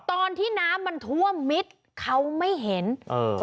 ตอนที่น้ำมันท่วมมิดเขาไม่เห็นเออ